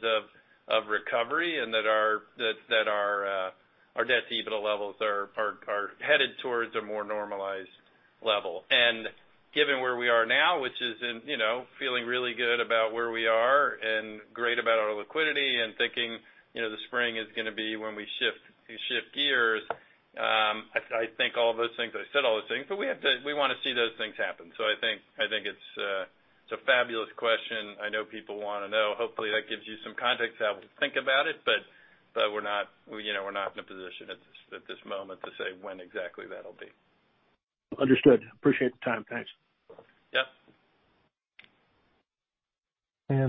of recovery and that our debt to EBITDA levels are headed towards a more normalized level. Given where we are now, which is in feeling really good about where we are and great about our liquidity and thinking the spring is going to be when we shift gears. I think all of those things. I said all those things, but we want to see those things happen. I think it's a fabulous question. I know people want to know. Hopefully, that gives you some context how we think about it, but we're not in a position at this moment to say when exactly that'll be. Understood. Appreciate the time. Thanks. Yep.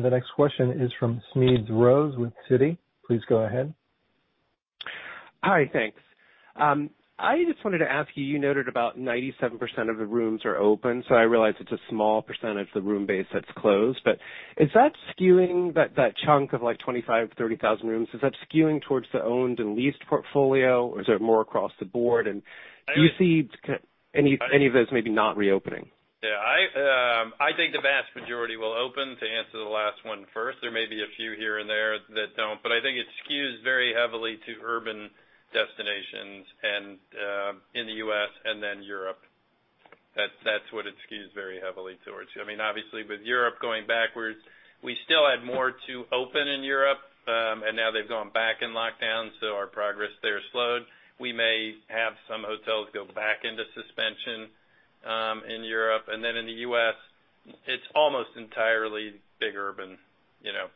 The next question is from Smedes Rose with Citi. Please go ahead. Hi, thanks. I just wanted to ask you noted about 97% of the rooms are open, so I realize it's a small percentage of the room base that's closed. Is that skewing that chunk of like 25,000, 30,000 rooms? Is that skewing towards the owned and leased portfolio, or is it more across the board? Do you see any of those maybe not reopening? Yeah. I think the vast majority will open, to answer the last one first. There may be a few here and there that don't, but I think it skews very heavily to urban destinations in the U.S. and then Europe. That's what it skews very heavily towards. Obviously, with Europe going backwards, we still had more to open in Europe, and now they've gone back in lockdown, so our progress there slowed. We may have some hotels go back into suspension in Europe. In the U.S., it's almost entirely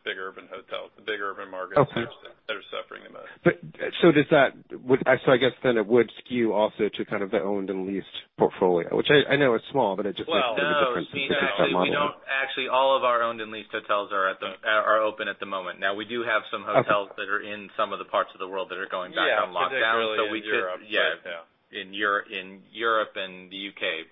big urban hotels, the big urban markets. Okay. that are suffering the most. I guess then it would skew also to kind of the owned and leased portfolio, which I know it's small, but it just makes a difference in the model. Well, no. Actually, all of our owned and leased hotels are open at the moment. We do have some hotels that are in some of the parts of the world that are going back on lockdown. Yeah, particularly in Europe, right? Yeah. In Europe and the U.K.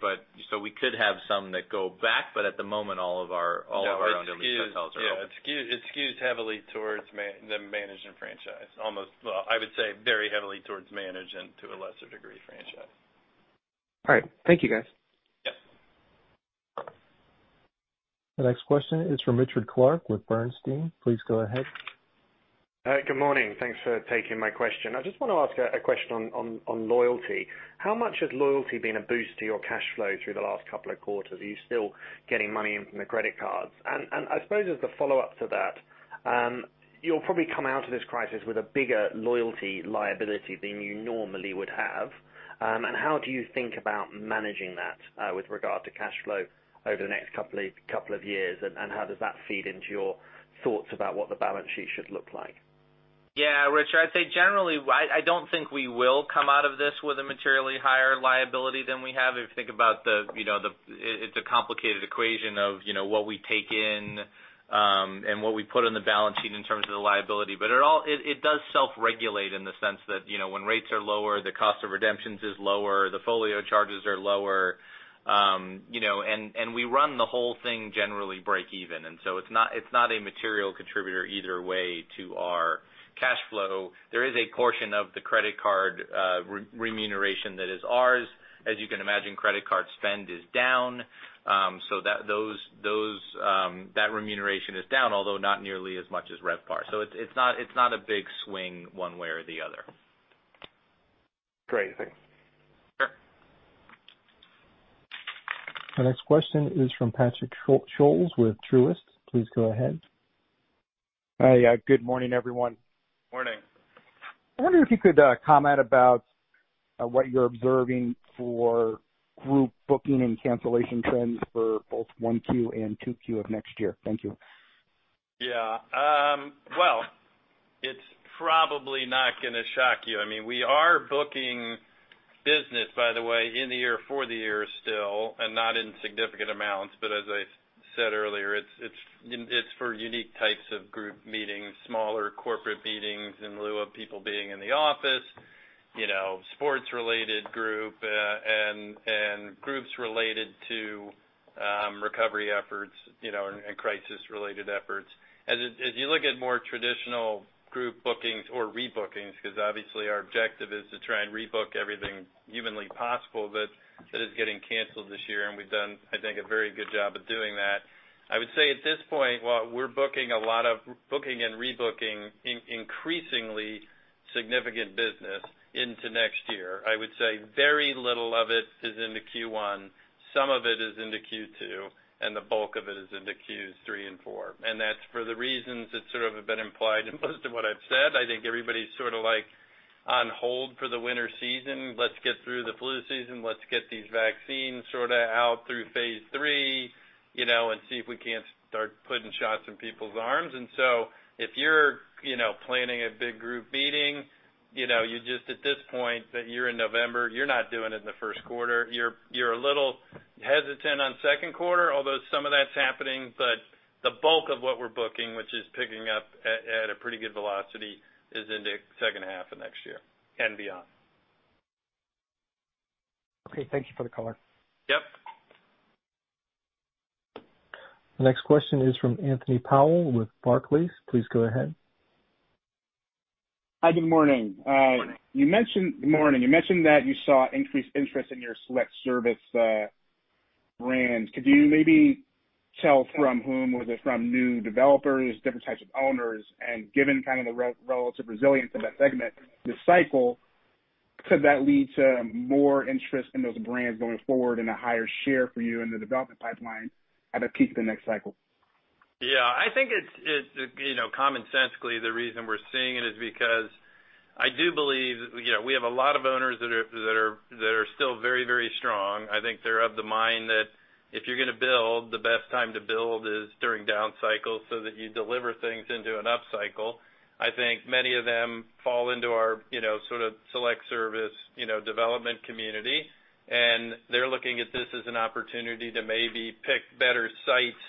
We could have some that go back, but at the moment, all of our owned and leased hotels are open. Yeah, it's skewed heavily towards the management franchise. I would say very heavily towards management, to a lesser degree, franchise. All right. Thank you, guys. The next question is from Richard Clarke with Bernstein. Please go ahead. Hi. Good morning. Thanks for taking my question. I just want to ask a question on loyalty. How much has loyalty been a boost to your cash flow through the last couple of quarters? Are you still getting money in from the credit cards? I suppose as the follow-up to that, you'll probably come out of this crisis with a bigger loyalty liability than you normally would have. How do you think about managing that with regard to cash flow over the next couple of years, and how does that feed into your thoughts about what the balance sheet should look like? Yeah, Richard. I'd say generally, I don't think we will come out of this with a materially higher liability than we have. If you think about the It's a complicated equation of what we take in, and what we put on the balance sheet in terms of the liability. It does self-regulate in the sense that when rates are lower, the cost of redemptions is lower, the folio charges are lower, and we run the whole thing generally break even. It's not a material contributor either way to our cash flow. There is a portion of the credit card remuneration that is ours. As you can imagine, credit card spend is down, so that remuneration is down, although not nearly as much as RevPAR. It's not a big swing one way or the other. Great. Thanks. Sure. The next question is from Patrick Scholes with Truist. Please go ahead. Hi. Good morning, everyone. Morning. I wonder if you could comment about what you're observing for group booking and cancellation trends for both 1Q and 2Q of next year. Thank you. Well, it's probably not going to shock you. We are booking business, by the way, in the year for the year still, not in significant amounts. As I said earlier, it's for unique types of group meetings, smaller corporate meetings in lieu of people being in the office, sports related group, and groups related to recovery efforts, and crisis related efforts. As you look at more traditional group bookings or rebookings, because obviously our objective is to try and rebook everything humanly possible that is getting canceled this year, we've done, I think, a very good job of doing that. I would say at this point, while we're booking a lot of booking and rebooking increasingly significant business into next year, I would say very little of it is into Q1, some of it is into Q2, and the bulk of it is into Q3 and Q4. That's for the reasons that sort of have been implied in most of what I've said. I think everybody's sort of on hold for the winter season. Let's get through the flu season, let's get these vaccines sort of out through phase III, see if we can't start putting shots in people's arms. If you're planning a big group meeting, you just at this point that you're in November, you're not doing it in the first quarter. You're a little hesitant on second quarter, although some of that's happening. The bulk of what we're booking, which is picking up at a pretty good velocity, is into second half of next year and beyond. Okay. Thank you for the color. Yep. The next question is from Anthony Powell with Barclays. Please go ahead. Hi. Good morning. Morning. You mentioned that you saw increased interest in your select service brands. Could you maybe tell from whom? Was it from new developers, different types of owners? Given kind of the relative resilience in that segment this cycle, could that lead to more interest in those brands going forward and a higher share for you in the development pipeline at a peak the next cycle? Yeah. I think it's commonsensically the reason we're seeing it is because I do believe we have a lot of owners that are still very strong. I think they're of the mind that if you're going to build, the best time to build is during down cycles so that you deliver things into an upcycle. I think many of them fall into our sort of select service development community, and they're looking at this as an opportunity to maybe pick better sites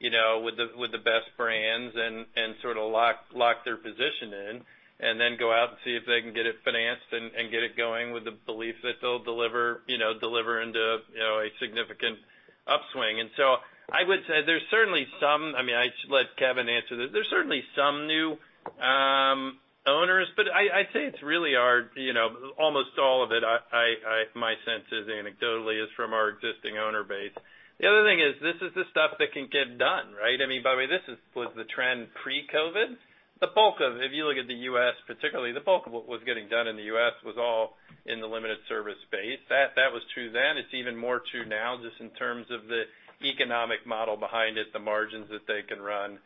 with the best brands and sort of lock their position in, and then go out and see if they can get it financed and get it going with the belief that they'll deliver into a significant upswing. I would say there's certainly some I should let Kevin answer this. There's certainly some new owners. I'd say it's really almost all of it, my sense is anecdotally, is from our existing owner base. The other thing is, this is the stuff that can get done, right? By the way, this was the trend pre-COVID. If you look at the U.S. particularly, the bulk of what was getting done in the U.S. was all in the limited service space. That was true then. It's even more true now, just in terms of the economic model behind it, the margins that they can run,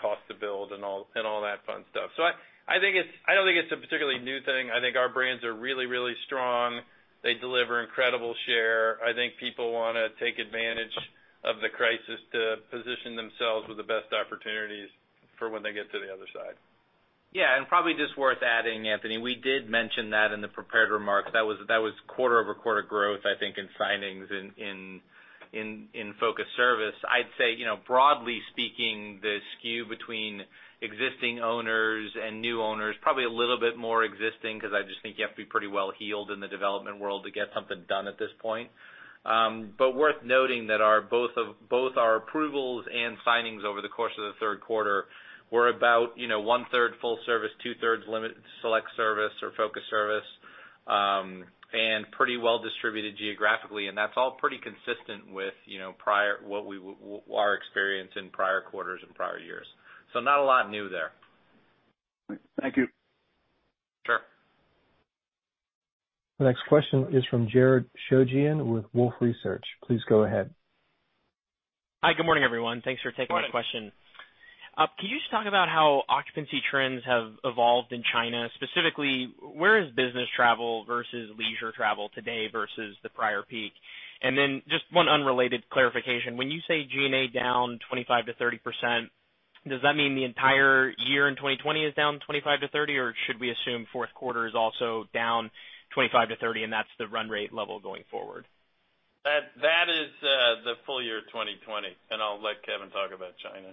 cost to build and all that fun stuff. I don't think it's a particularly new thing. I think our brands are really strong. They deliver incredible share. I think people want to take advantage of the crisis to position themselves with the best opportunities for when they get to the other side. Yeah. Probably just worth adding, Anthony, we did mention that in the prepared remarks. That was quarter-over-quarter growth, I think, in signings in focus service. I'd say, broadly speaking, the skew between existing owners and new owners, probably a little bit more existing, because I just think you have to be pretty well-heeled in the development world to get something done at this point. Worth noting that both our approvals and signings over the course of the third quarter were about one-third full service, two-thirds limited select service or focus service. Pretty well distributed geographically, and that's all pretty consistent with our experience in prior quarters and prior years. Not a lot new there. Thank you. Sure. The next question is from Jared Shojaian with Wolfe Research. Please go ahead. Hi. Good morning, everyone. Thanks for taking my question Morning. Could you just talk about how occupancy trends have evolved in China, specifically, where is business travel versus leisure travel today versus the prior peak? Then just one unrelated clarification, when you say G&A down 25%-30%, does that mean the entire year in 2020 is down 25%-30%, or should we assume fourth quarter is also down 25%-30% and that's the run rate level going forward? That is the full year 2020. I'll let Kevin talk about China.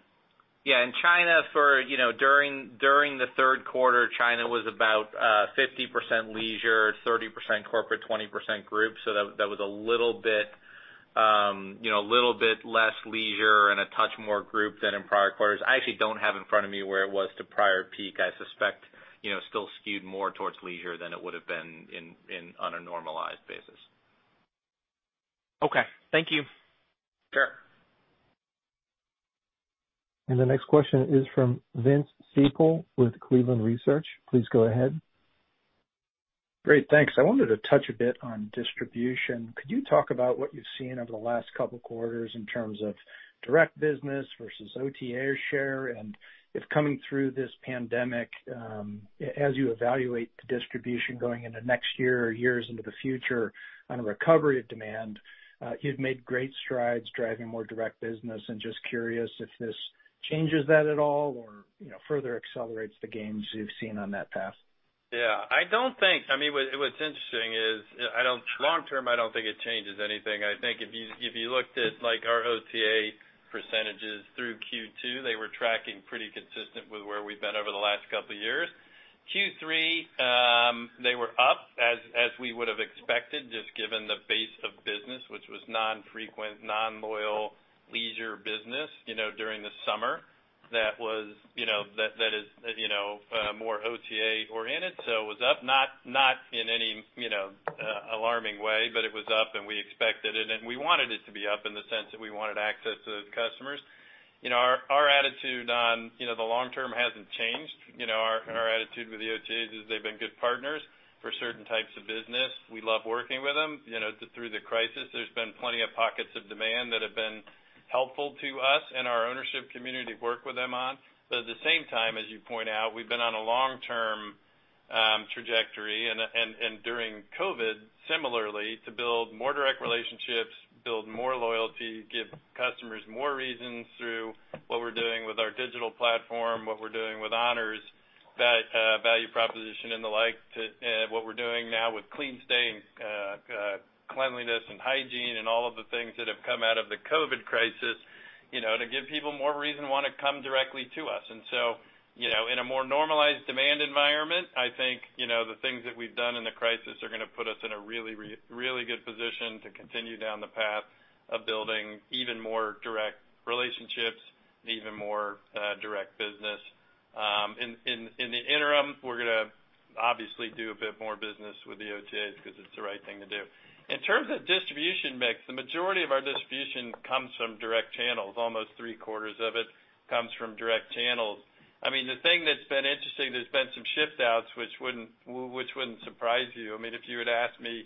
Yeah. In China, during the third quarter, China was about 50% leisure, 30% corporate, 20% group. That was a little bit less leisure and a touch more group than in prior quarters. I actually don't have in front of me where it was to prior peak. I suspect, still skewed more towards leisure than it would have been on a normalized basis. Okay. Thank you. Sure. The next question is from Vince Sekal with Cleveland Research. Please go ahead. Great. Thanks. I wanted to touch a bit on distribution. Could you talk about what you've seen over the last couple of quarters in terms of direct business versus OTA share, and if coming through this pandemic, as you evaluate the distribution going into next year or years into the future on a recovery of demand, you've made great strides driving more direct business and just curious if this changes that at all or further accelerates the gains you've seen on that path. Yeah, I don't think What's interesting is, long term, I don't think it changes anything. I think if you looked at our OTA percentages through Q2, they were tracking pretty consistent with where we've been over the last couple of years. Q3, they were up as we would have expected, just given the base of business, which was non-frequent, non-loyal leisure business during the summer. That is more OTA oriented. It was up, not in any alarming way, but it was up and we expected it, and we wanted it to be up in the sense that we wanted access to those customers. Our attitude on the long term hasn't changed. Our attitude with the OTAs is they've been good partners for certain types of business. We love working with them through the crisis. There's been plenty of pockets of demand that have been helpful to us and our ownership community to work with them on. At the same time, as you point out, we've been on a long-term trajectory and during COVID, similarly, to build more direct relationships, build more loyalty, give customers more reasons through what we're doing with our digital platform, what we're doing with Hilton Honors, that value proposition and the like to what we're doing now with Hilton CleanStay and cleanliness and hygiene and all of the things that have come out of the COVID crisis, to give people more reason to want to come directly to us. In a more normalized demand environment, I think, the things that we've done in the crisis are going to put us in a really good position to continue down the path of building even more direct relationships and even more direct business. In the interim, we're going to obviously do a bit more business with the OTAs because it's the right thing to do. In terms of distribution mix, the majority of our distribution comes from direct channels. Almost three-quarters of it comes from direct channels. The thing that's been interesting, there's been some shift outs which wouldn't surprise you. If you had asked me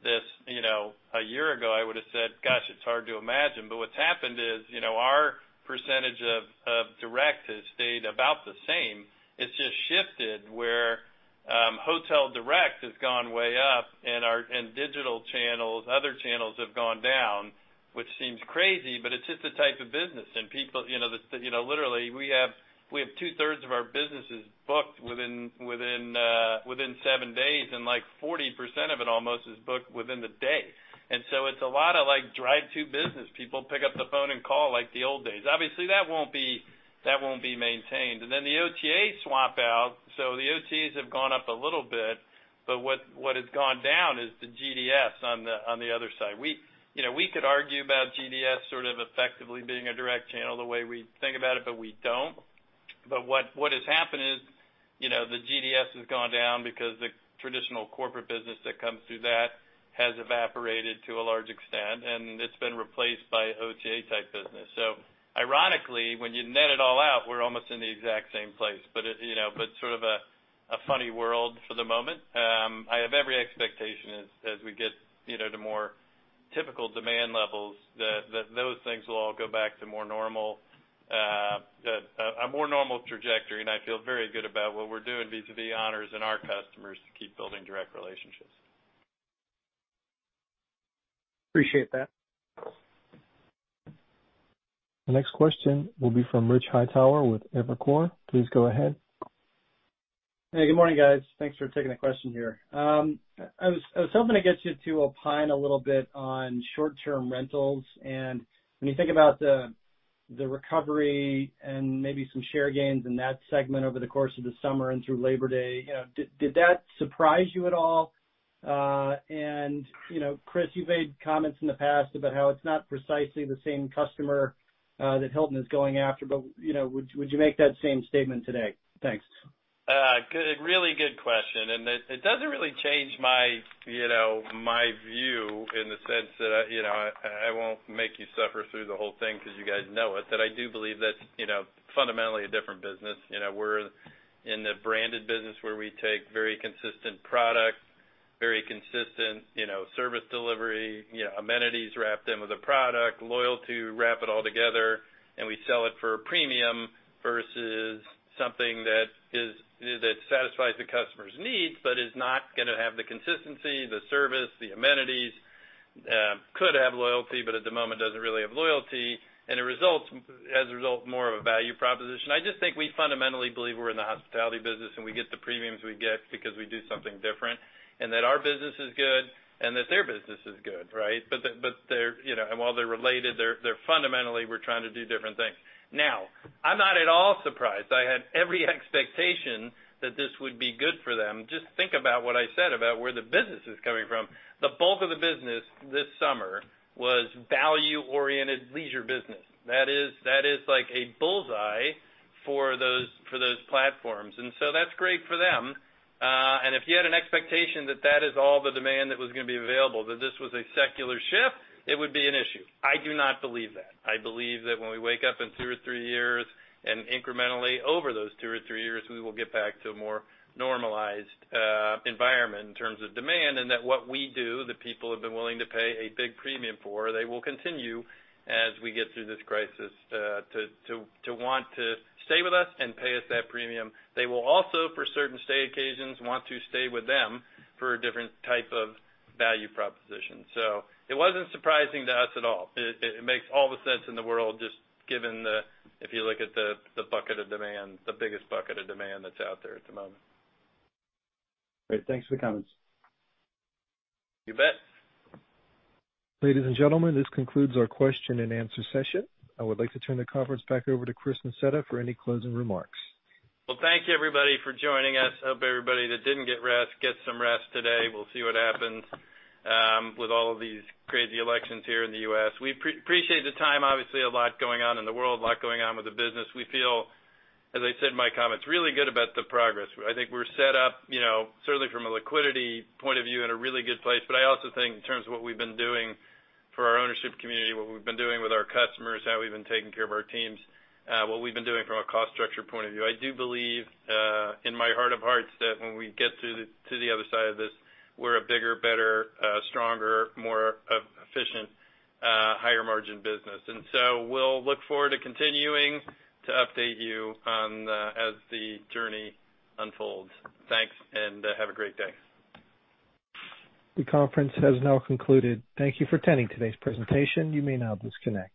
this a year ago, I would have said, "Gosh, it's hard to imagine." What's happened is, our percentage of direct has stayed about the same. It's just shifted where hotel direct has gone way up and digital channels, other channels have gone down, which seems crazy, but it's just the type of business. Literally, we have 2/3 of our businesses booked within seven days, and 40% of it almost is booked within the day. It's a lot of drive-to business. People pick up the phone and call like the old days. Obviously, that won't be maintained. The OTA swap out. The OTAs have gone up a little bit, but what has gone down is the GDS on the other side. We could argue about GDS sort of effectively being a direct channel the way we think about it, but we don't. What has happened is, the GDS has gone down because the traditional corporate business that comes through that has evaporated to a large extent, and it's been replaced by OTA type business. Ironically, when you net it all out, we're almost in the exact same place. Sort of a funny world for the moment. I have every expectation as we get to more typical demand levels that those things will all go back to a more normal trajectory, and I feel very good about what we're doing vis-a-vis Honors and our customers to keep building direct relationships. Appreciate that. The next question will be from Rich Hightower with Evercore. Please go ahead. Hey, good morning, guys. Thanks for taking the question here. I was hoping to get you to opine a little bit on short-term rentals, and when you think about the recovery and maybe some share gains in that segment over the course of the summer and through Labor Day, did that surprise you at all? Chris, you've made comments in the past about how it's not precisely the same customer that Hilton is going after, but would you make that same statement today? Thanks. Really good question, and it doesn't really change My view in the sense that I won't make you suffer through the whole thing because you guys know it, that I do believe that's fundamentally a different business. We're in the branded business where we take very consistent product, very consistent service delivery, amenities, wrap them with a product, loyalty, wrap it all together, and we sell it for a premium versus something that satisfies the customer's needs but is not going to have the consistency, the service, the amenities, could have loyalty, but at the moment doesn't really have loyalty, and as a result, more of a value proposition. I just think we fundamentally believe we're in the hospitality business and we get the premiums we get because we do something different, and that our business is good, and that their business is good, right? While they're related, they're fundamentally, we're trying to do different things. Now, I'm not at all surprised. I had every expectation that this would be good for them. Just think about what I said about where the business is coming from. The bulk of the business this summer was value-oriented leisure business. That is like a bullseye for those platforms. That's great for them. If you had an expectation that that is all the demand that was going to be available, that this was a secular shift, it would be an issue. I do not believe that. I believe that when we wake up in two or three years and incrementally over those two or three years, we will get back to a more normalized environment in terms of demand, and that what we do, the people have been willing to pay a big premium for, they will continue as we get through this crisis, to want to stay with us and pay us that premium. They will also, for certain stay occasions, want to stay with them for a different type of value proposition. It wasn't surprising to us at all. It makes all the sense in the world, just given if you look at the bucket of demand, the biggest bucket of demand that's out there at the moment. Great. Thanks for the comments. You bet. Ladies and gentlemen, this concludes our question and answer session. I would like to turn the conference back over to Christopher J. Nassetta for any closing remarks. Well, thank you, everybody, for joining us. Hope everybody that didn't get rest, get some rest today. We'll see what happens with all of these crazy elections here in the U.S. We appreciate the time. Obviously, a lot going on in the world, a lot going on with the business. We feel, as I said in my comments, really good about the progress. I think we're set up, certainly from a liquidity point of view, in a really good place. I also think in terms of what we've been doing for our ownership community, what we've been doing with our customers, how we've been taking care of our teams, what we've been doing from a cost structure point of view. I do believe in my heart of hearts that when we get to the other side of this, we're a bigger, better, stronger, more efficient, higher margin business. We'll look forward to continuing to update you as the journey unfolds. Thanks, and have a great day. The conference has now concluded. Thank you for attending today's presentation. You may now disconnect.